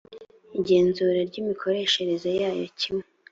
igenzura ry imikoreshereze yayo kimwe